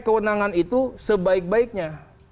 kewenangan itu sebaik baiknya